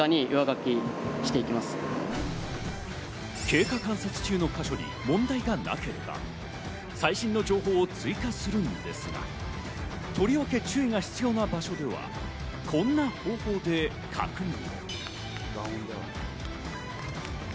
経過観察中のか所に問題がなければ、最新の情報を追加するのですが、とりわけ注意が必要な場所ではこんな方法で確認。